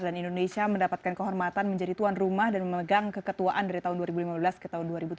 dan indonesia mendapatkan kehormatan menjadi tuan rumah dan memegang keketuaan dari tahun dua ribu lima belas ke tahun dua ribu tujuh belas